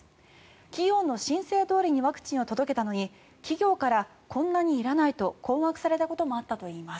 企業の申請どおりにワクチンを届けたのに企業からこんなにいらないと困惑されたこともあったといいます。